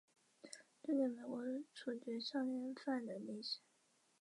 终结美国处决少年犯的历史。